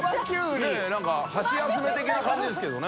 佑何か箸休め的な感じですけどね。